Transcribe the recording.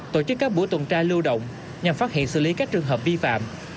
tổ chức các buổi tuần tra lưu động nhằm phát hiện xử lý các trường hợp vi phạm